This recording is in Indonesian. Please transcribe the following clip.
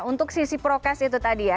untuk sisi prokes itu tadi ya